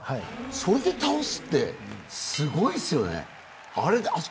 それで倒すってすごいですよね。